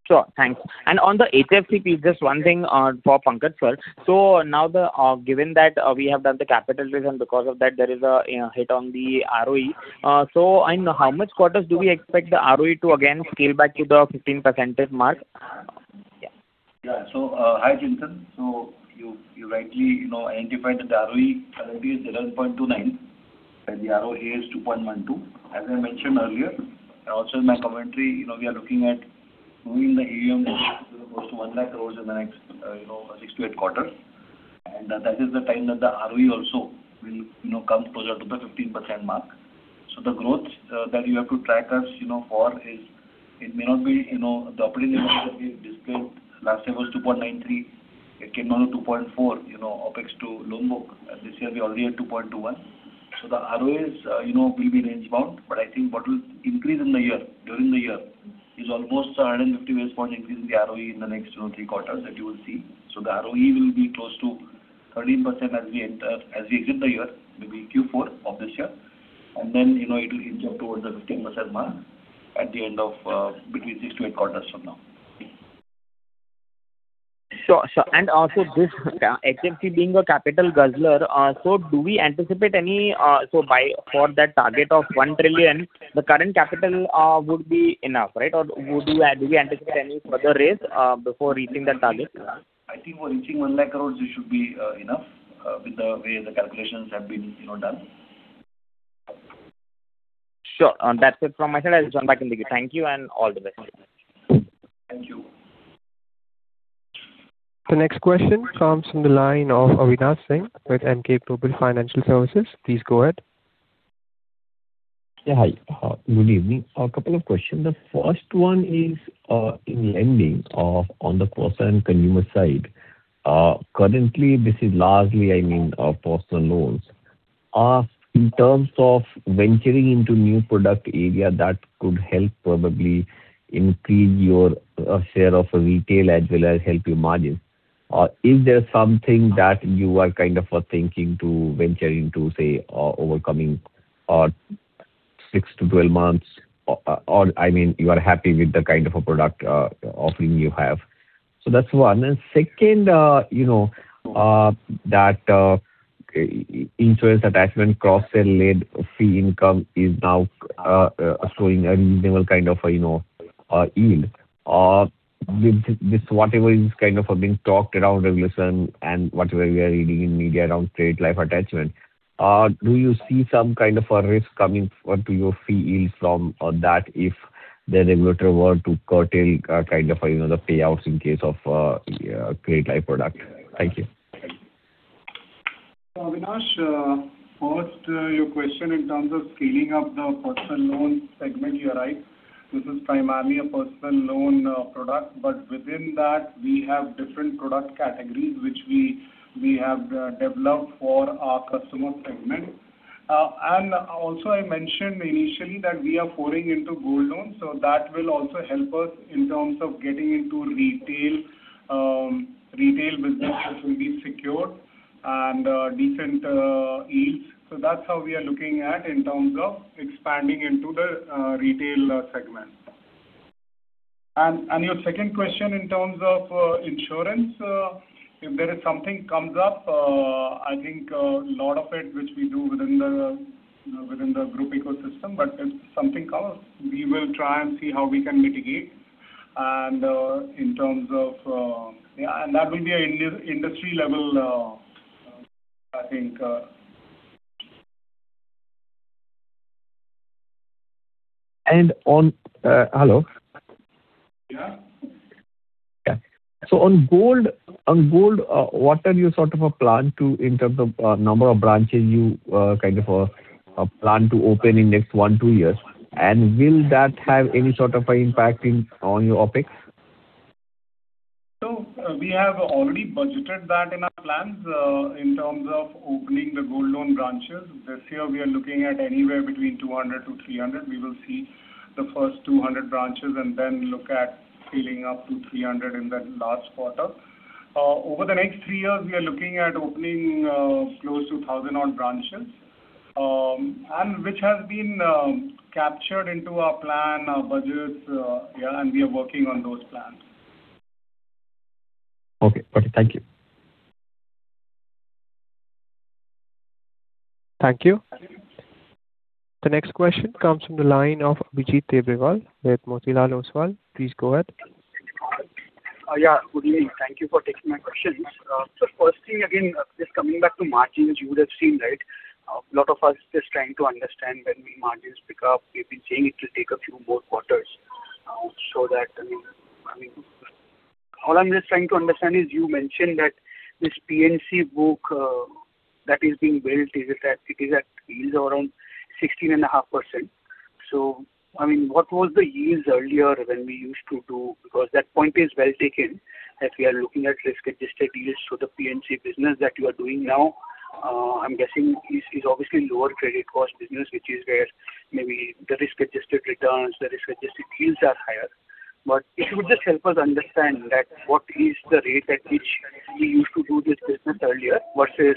Sure. Thanks. On the HFC piece, just one thing for Pankaj sir. Now, given that we have done the capital raise and because of that there is a hit on the ROE. In how much quarters do we expect the ROE to again scale back to the 15% mark? Hi, Chintan. You rightly identified the ROE currently is 11.29%, and the ROA is 2.12%. As I mentioned earlier, also in my commentary, we are looking at moving the AUM close to 100,000 crore in the next six to eight quarters. That is the time that the ROE also will come closer to the 15% mark. The growth that you have to track us for is it may not be the operating leverage that we have displayed last year was 2.93x. It came down to 2.4x, OpEx-to-loan book. This year we already at 2.21x. The ROAs will be range bound. I think what will increase during the year is almost 150 basis point increase in the ROE in the next two or three quarters that you will see. The ROE will be close to 13% as we exit the year, maybe Q4 of this year. Then it will inch up towards the 15% mark at the end of between six to eight quarters from now. Sure. Also this HFC being a capital guzzler, do we anticipate any, for that target of 1 trillion, the current capital would be enough, right? Or do we anticipate any further raise before reaching that target? I think for reaching 100,000 crore, it should be enough with the way the calculations have been done. Sure. That's it from my side. I'll join back in the queue. Thank you and all the best. Thank you. The next question comes from the line of Avinash Singh with Emkay Global Financial Services. Please go ahead. Yeah, hi. Good evening. A couple of questions. The first one is, in lending on the personal consumer side, currently this is largely, I mean, personal loans. In terms of venturing into new product area that could help probably increase your share of retail as well as help your margins. Is there something that you are kind of thinking to venture into, say, overcoming 6 to 12 months? You are happy with the kind of a product offering you have? That's one. Second, that insurance attachment cross-sell led fee income is now showing a reasonable kind of yield. With this whatever is kind of being talked around regulation and whatever we are reading in media around credit life attachment, do you see some kind of a risk coming onto your fee yield from that if the regulator were to curtail kind of the payouts in case of a credit life product? Thank you. Avinash, first your question in terms of scaling up the personal loan segment, you're right. This is primarily a personal loan product. Within that, we have different product categories which we have developed for our customer. Also, I mentioned initially that we are pouring into gold loans, that will also help us in terms of getting into retail business, which will be secure and decent yields. That's how we are looking at in terms of expanding into the retail segment. Your second question in terms of insurance, if there is something comes up, I think a lot of it, which we do within the group ecosystem, but if something comes, we will try and see how we can mitigate. That will be an industry level, I think. On Hello. Yeah. On gold, what are your sort of a plan in terms of number of branches you kind of plan to open in next one, two years? Will that have any sort of impact on your OpEx? We have already budgeted that in our plans in terms of opening the gold loan branches. This year, we are looking at anywhere between 200-300. We will see the first 200 branches and then look at scaling up to 300 in that last quarter. Over the next three years, we are looking at opening close to 1,000 odd branches, which has been captured into our plan, our budgets, yeah, and we are working on those plans. Okay. Thank you. Thank you. The next question comes from the line of Abhijit Tibrewal with Motilal Oswal. Please go ahead. Yeah, good evening. Thank you for taking my question. Sir, first thing again, just coming back to margins, you would have seen, right? A lot of us just trying to understand when will margins pick up. You've been saying it will take a few more quarters. All I'm just trying to understand is you mentioned that this PNC book that is being built, it is at yields around 16.5%. What was the yields earlier when we used to do, because that point is well taken, that we are looking at risk-adjusted yields. The PNC business that you are doing now, I'm guessing is obviously lower credit cost business, which is where maybe the risk-adjusted returns, the risk-adjusted yields are higher. If you would just help us understand that what is the rate at which you used to do this business earlier versus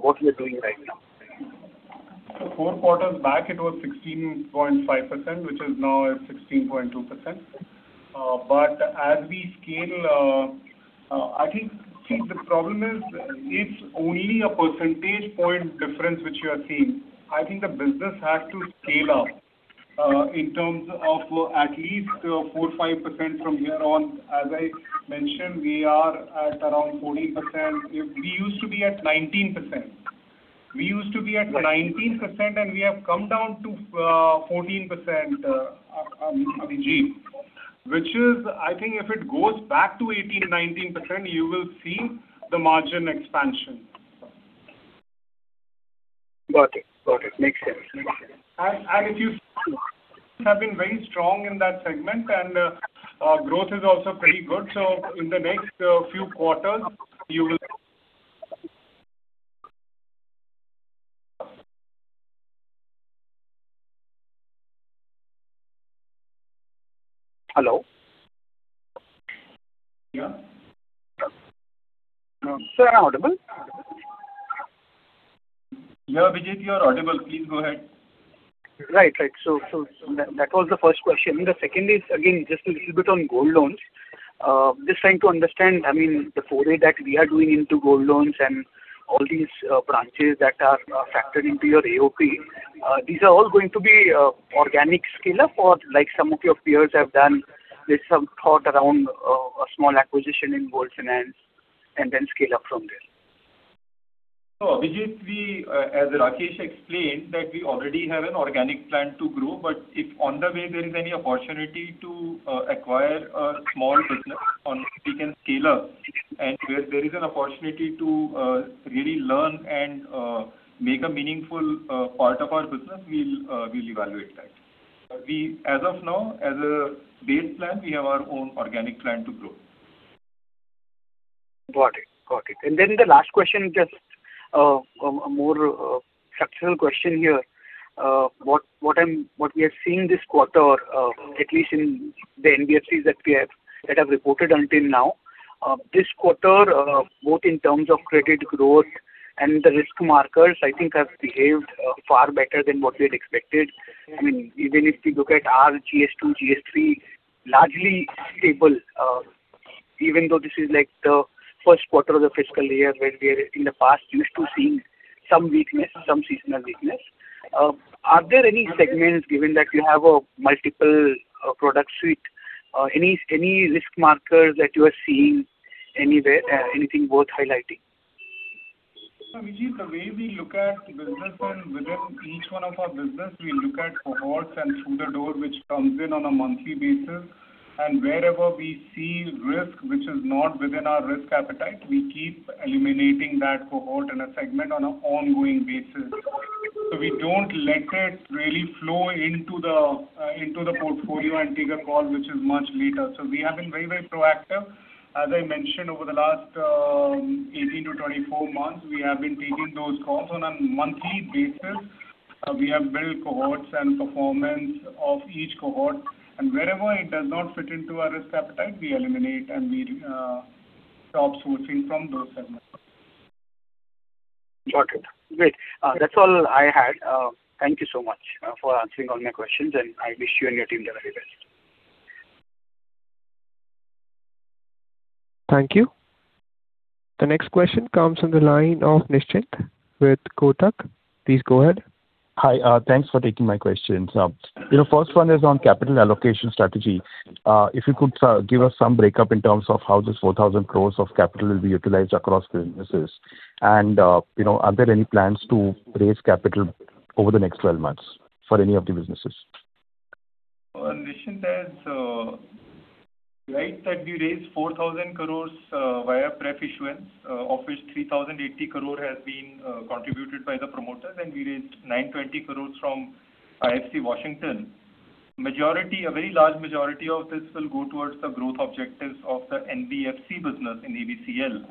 what you are doing right now. Four quarters back, it was 16.5%, which is now at 16.2%. As we scale I think, the problem is it's only a percentage point difference which you are seeing. I think the business has to scale up in terms of at least 4%-5% from here on. As I mentioned, we are at around 14%. We used to be at 19%, and we have come down to 14%, Abhijit. Which is, I think if it goes back to 18%-19%, you will see the margin expansion. Got it. Makes sense. If you see, we have been very strong in that segment, growth is also pretty good. In the next few quarters, you will Hello. Yeah. Sir, am I audible? Yeah, Abhijit, you are audible. Please go ahead. Right. That was the first question. The second is, again, just a little bit on gold loans. Just trying to understand, the foray that we are doing into gold loans and all these branches that are factored into your AOP. These are all going to be organic scale-up or like some of your peers have done with some thought around a small acquisition in gold finance and then scale-up from there. Abhijit, as Rakesh explained, that we already have an organic plan to grow, but if on the way there is any opportunity to acquire a small business and we can scale up, and where there is an opportunity to really learn and make a meaningful part of our business, we'll evaluate that. As of now, as a base plan, we have our own organic plan to grow. Got it. The last question, just a more structural question here. What we are seeing this quarter, at least in the NBFCs that have reported until now, this quarter, both in terms of credit growth and the risk markers, I think have behaved far better than what we had expected. Even if we look at our GS2, GS3, largely stable, even though this is the first quarter of the fiscal year where we had in the past used to seeing some seasonal weakness. Are there any segments, given that you have a multiple product suite, any risk markers that you are seeing anywhere, anything worth highlighting? Abhijit, the way we look at business and within each one of our business, we look at cohorts and through the door, which comes in on a monthly basis. Wherever we see risk which is not within our risk appetite, we keep eliminating that cohort and a segment on an ongoing basis. We don't let it really flow into the portfolio and take a call which is much later. We have been very proactive As I mentioned over the last 18-24 months, we have been taking those calls on a monthly basis. We have built cohorts and performance of each cohort, wherever it does not fit into our risk appetite, we eliminate and we stop sourcing from those segments. Got it. Great. That's all I had. Thank you so much for answering all my questions and I wish you and your team the very best. Thank you. The next question comes on the line of Nischint with Kotak. Please go ahead. Hi. Thanks for taking my questions. First one is on capital allocation strategy. If you could give us some breakup in terms of how this 4,000 crore of capital will be utilized across businesses. Are there any plans to raise capital over the next 12 months for any of the businesses? Nischint, right that we raised 4,000 crore via pref issuance of which 3,080 crore has been contributed by the promoters and we raised 920 crore from IFC Washington. A very large majority of this will go towards the growth objectives of the NBFC business in ABCL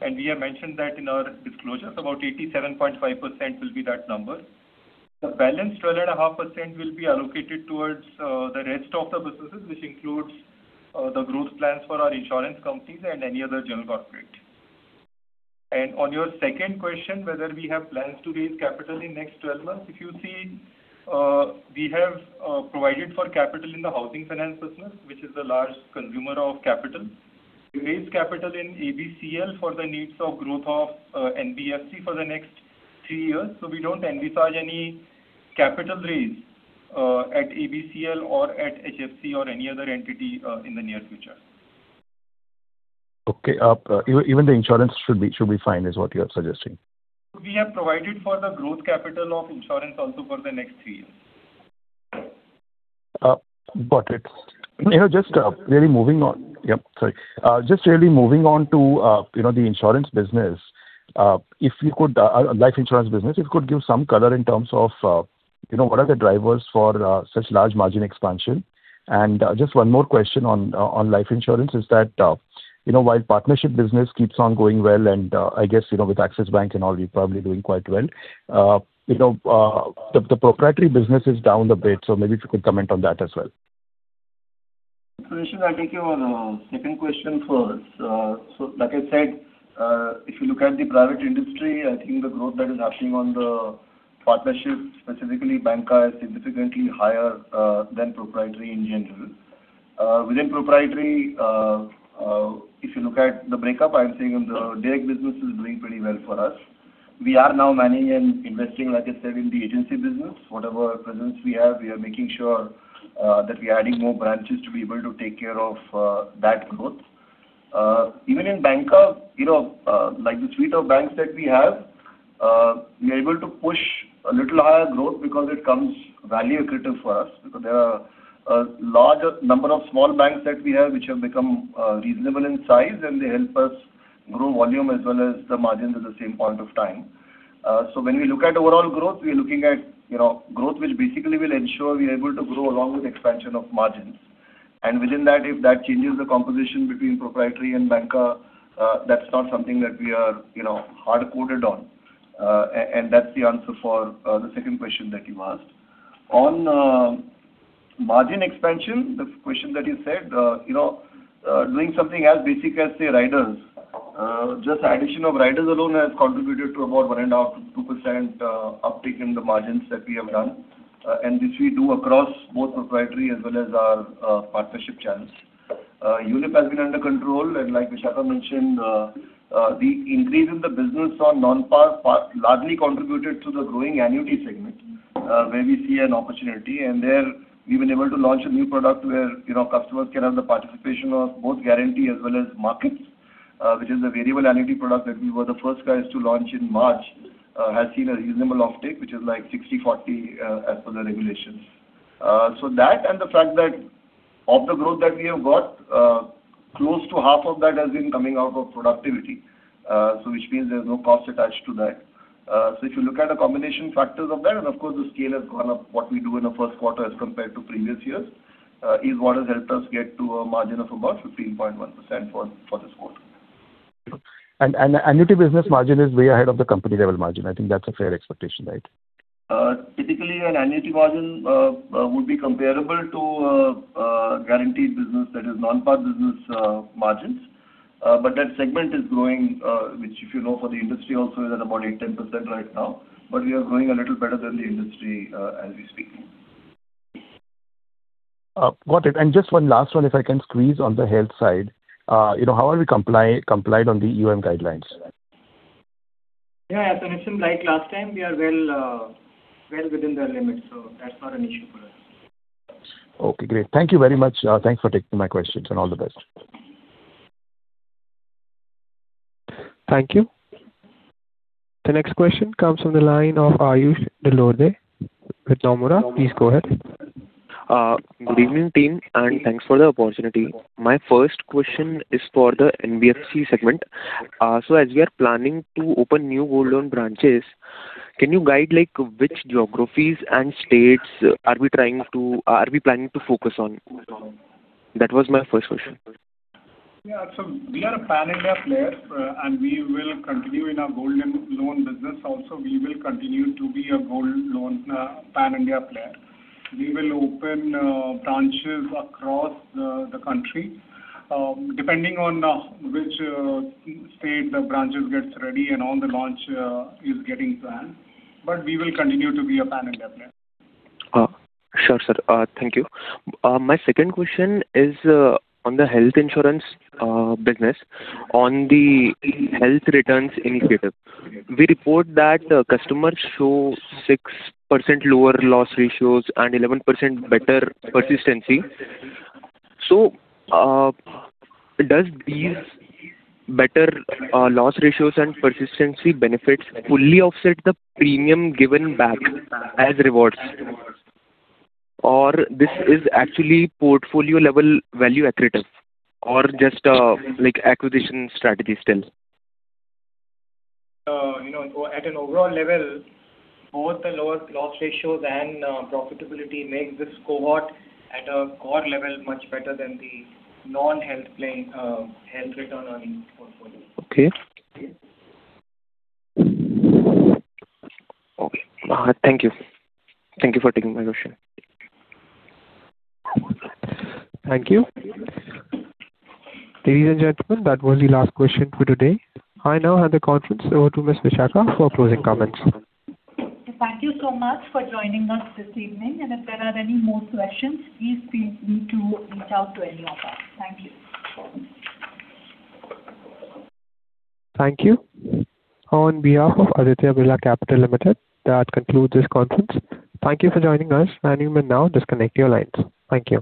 and we have mentioned that in our disclosures, about 87.5% will be that number. The balance 12.5% will be allocated towards the rest of the businesses which includes the growth plans for our insurance companies and any other general corporate. On your second question, whether we have plans to raise capital in next 12 months. If you see, we have provided for capital in the housing finance business which is a large consumer of capital. We raised capital in ABCL for the needs of growth of NBFC for the next three years. We don't envisage any capital raise at ABCL or at HFC or any other entity in the near future. Okay. Even the insurance should be fine is what you are suggesting. We have provided for the growth capital of insurance also for the next three years. Got it. Just really moving on to the insurance business, life insurance business. If you could give some color in terms of what are the drivers for such large margin expansion and just one more question on life insurance is that while partnership business keeps on going well and I guess with Axis Bank and all you're probably doing quite well. The proprietary business is down a bit so maybe if you could comment on that as well. Nischint, I'll take your second question first. Like I said, if you look at the private industry, I think the growth that is happening on the partnership specifically Bancassurance is significantly higher than proprietary in general. Within proprietary, if you look at the breakup, I am saying the direct business is doing pretty well for us. We are now managing and investing like I said in the agency business. Whatever presence we have, we are making sure that we are adding more branches to be able to take care of that growth. Even in Bancassurance, like the suite of banks that we have, we are able to push a little higher growth because it comes value accretive for us because there are a large number of small banks that we have which have become reasonable in size and they help us grow volume as well as the margins at the same point of time. When we look at overall growth, we are looking at growth which basically will ensure we are able to grow along with expansion of margins and within that if that changes the composition between proprietary and Bancassurance that's not something that we are hard coded on and that's the answer for the second question that you asked. On margin expansion, the question that you said, doing something as basic as say riders. Just addition of riders alone has contributed to about 1.5%-2% uptick in the margins that we have done and which we do across both proprietary as well as our partnership channels. ULIP has been under control and like Vishakha mentioned the increase in the business on non-Par largely contributed to the growing annuity segment where we see an opportunity and there we've been able to launch a new product where customers can have the participation of both guarantee as well as markets which is a variable annuity product that we were the first guys to launch in March has seen a reasonable uptake which is like 60/40 as per the regulations. That and the fact that of the growth that we have got close to half of that has been coming out of productivity which means there's no cost attached to that. If you look at the combination factors of that and of course the scale has gone up what we do in the first quarter as compared to previous years is what has helped us get to a margin of about 15.1% for this quarter. Annuity business margin is way ahead of the company level margin. I think that's a fair expectation, right? Typically an annuity margin would be comparable to a guaranteed business that is non-Par business margins but that segment is growing which if you know for the industry also is at about 8%-10% right now but we are growing a little better than the industry as we speak. Got it. Just one last one if I can squeeze on the health side. How are we complied on the UM Guidelines? Yeah, as mentioned like last time we are well within the limits so that's not an issue for us. Okay, great. Thank you very much. Thanks for taking my questions and all the best. Thank you. The next question comes from the line of Ayush Dilodre with Nomura. Please go ahead. Good evening team and thanks for the opportunity. My first question is for the NBFC segment. As we are planning to open new gold loan branches, can you guide which geographies and states are we planning to focus on? That was my first question. We are a pan-India player, and we will continue in our gold loan business also, we will continue to be a gold loan pan-India player. We will open branches across the country, depending on which state the branches get ready and on the launch is getting planned. We will continue to be a pan-India player. Sure, sir. Thank you. My second question is on the health insurance business. On the health returns initiative, we report that customers show 6% lower loss ratios and 11% better persistency. Do these better loss ratios and persistency benefits fully offset the premium given back as rewards? Is this actually portfolio-level value accretive or just acquisition strategy still? At an overall level, both the lower loss ratios and profitability make this cohort at a core level much better than the non-health return earning portfolio. Okay. Thank you. Thank you for taking my question. Thank you. Ladies and gentlemen, that was the last question for today. I now hand the conference over to Ms. Vishakha for closing comments. Thank you so much for joining us this evening, and if there are any more questions, please feel free to reach out to any of us. Thank you. Thank you. On behalf of Aditya Birla Capital Limited, that concludes this conference. Thank you for joining us, and you may now disconnect your lines. Thank you.